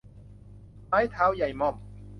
ไม้เท้ายายม่อม